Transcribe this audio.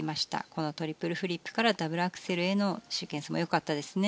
このトリプルフリップからダブルアクセルへのシークエンスもよかったですね。